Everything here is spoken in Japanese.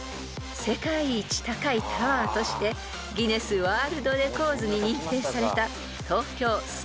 世界一高いタワーとしてギネスワールドレコーズに認定された］